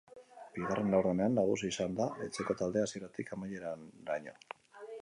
Bigarren laurdenean nagusi izan da etxeko taldea hasieratik amaieraraino.